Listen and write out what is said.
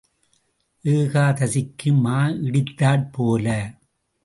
ஏகாதசிக்கு மா இடித்தாற் போல.